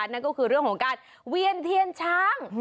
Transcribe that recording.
นั่นก็คือเรื่องของการเวียนเทียนช้าง